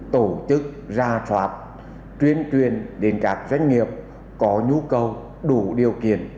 tổ chức ra soát tuyên truyền đến các doanh nghiệp có nhu cầu đủ điều kiện